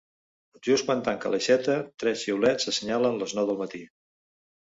Just quan tanca l'aixeta tres xiulets assenyalen les nou del matí.